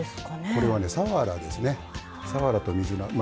これはさわらと水菜ですね。